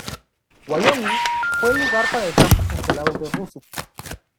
Wyoming fue el lugar para el campo congelado de Rusia.